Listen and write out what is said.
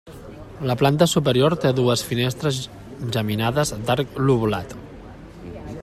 La planta superior té dues finestres geminades d'arc lobulat.